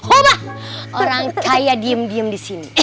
obah orang kaya diem diem disini